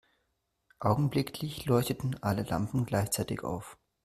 Augenblicklich leuchteten alle Lampen gleichzeitig auf.